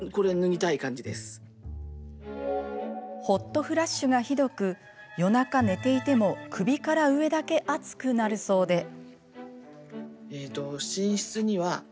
ホットフラッシュがひどく夜中、寝ていても首から上だけ暑くなるそうで。